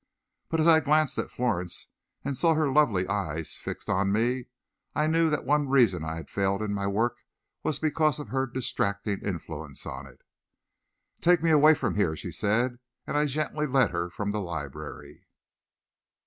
But as I glanced at Florence, and saw her lovely eyes fixed on me, I knew that one reason I had failed in my work was because of her distracting influence on it. "Take me away from here," she said, and I gently led her from the library.